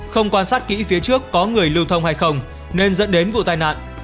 không quan sát kỹ trước có người lưu thông hay không nên dẫn đến vụ tai nạn